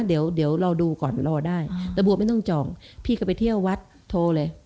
เดี๋ยวเราดูก่อนรอได้แล้วบัวไม่ต้องจองพี่ก็ไปเที่ยววัดโทรเลย